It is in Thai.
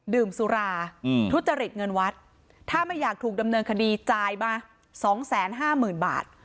ดื่มสุราอืมทุจริงเงินวัดถ้าไม่อยากถูกดำเนินคดีจ่ายมาสองแสนห้าหมื่นบาท